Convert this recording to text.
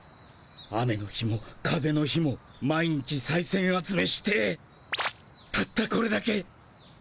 雨の日も風の日も毎日さいせん集めしてたったこれだけ。